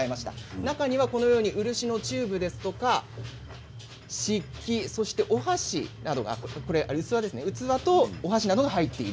中には漆のチューブですとか器とお箸などが入っている。